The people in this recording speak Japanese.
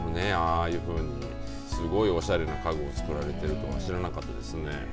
ああいうふうにすごいおしゃれな家具を作られているの知らなかったです。